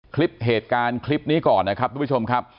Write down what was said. คลิปเหตุการณ์คลิปนี้ก่อนนะครับทุกผู้ชมครับ